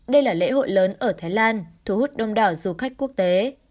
đây là lễ hội lớn ở thái lan thu hút đông đảo du khách quốc tế